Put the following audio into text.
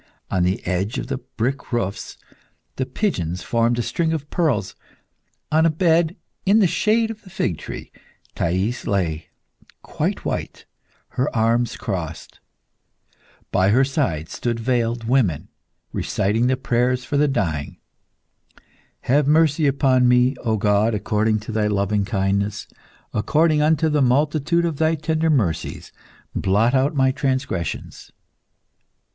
On the edge of the brick roofs, the pigeons formed a string of pearls. On a bed, in the shade of the fig tree, Thais lay quite white, her arms crossed. By her side stood veiled women, reciting the prayers for the dying. _"Have mercy, upon me, O God, according to Thy loving kindness: according unto the multitude of Thy tender mercies blot out my transgressions."